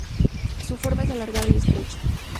Su forma es alargada y estrecha.